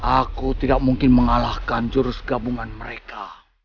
aku tidak mungkin mengalahkan jurus gabungan mereka